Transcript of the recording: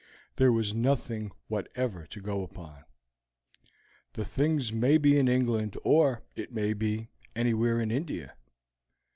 There was nothing whatever to go upon. The things may be in England or, it may be, anywhere in India.